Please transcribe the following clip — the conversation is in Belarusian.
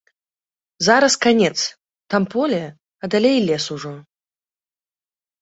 Зараз канец, там поле, а далей і лес ужо.